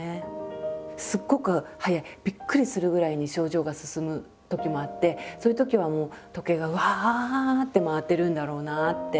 すっごく早いびっくりするぐらいに症状が進むときもあってそういうときはもう時計がうわって回ってるんだろうなって。